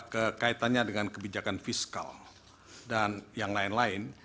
kekaitannya dengan kebijakan fiskal dan yang lain lain